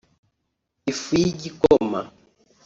ifu y’igikoma